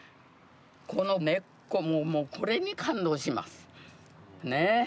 この根っこもこれに感動します。ね。